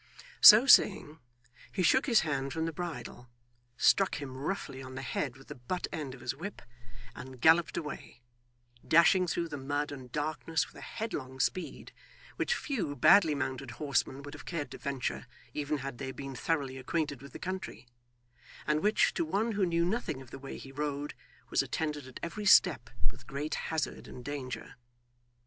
So saying he shook his hand from the bridle, struck him roughly on the head with the butt end of his whip, and galloped away; dashing through the mud and darkness with a headlong speed, which few badly mounted horsemen would have cared to venture, even had they been thoroughly acquainted with the country; and which, to one who knew nothing of the way he rode, was attended at every step with great hazard and danger.